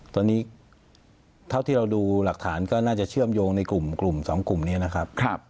ตอนนี้เท่าที่เราดูหลักฐานก็น่าจะเชื่อมโยงในกลุ่ม๒กลุ่มนี้นะครับ